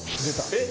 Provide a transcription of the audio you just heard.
えっ？